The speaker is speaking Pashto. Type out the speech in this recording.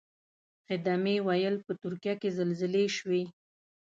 خدمې ویل په ترکیه کې زلزلې شوې.